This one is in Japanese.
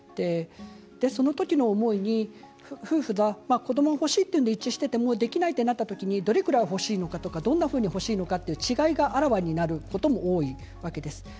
その時の思いに夫婦は子どもが欲しいと一致していてもできないとなった時にどれぐらい欲しいのかどんなふうに欲しいのか違いがあらわになることも多いわけです。